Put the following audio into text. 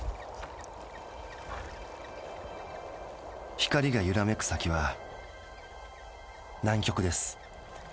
光がゆらめく先は南極です。